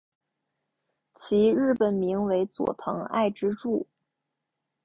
其日本名为佐藤爱之助。